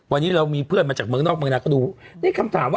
วันนี้เรามีเพื่อนมาจากเมืองนอกเมืองนาเขาดูนี่คำถามว่า